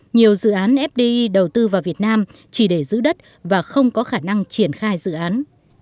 nhiều dự án fdi đầu tư vào việt nam chỉ để giữ đất và không có khả năng triển khai dự án